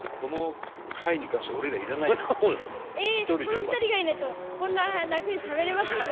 この２人がいないとこんな楽にしゃべれませんよ。